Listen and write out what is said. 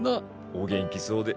お元気そうで。